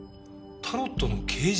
タロットの啓示！？